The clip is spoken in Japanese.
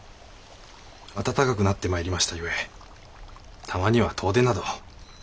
暖かくなってまいりましたゆえたまには遠出など。